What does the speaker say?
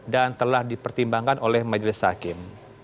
dan telah dipertimbangkan oleh majelis hakim